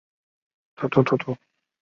林斯多夫。